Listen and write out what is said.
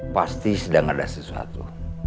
pasti sedang ada sesuatu